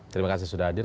terima kasih sudah hadir